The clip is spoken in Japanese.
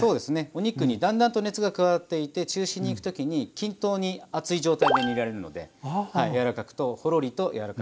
お肉にだんだんと熱が加わっていって中心に行く時に均等に熱い状態で煮られるので。